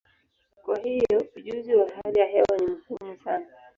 Kwa hiyo, ujuzi wa hali ya hewa ni muhimu sana.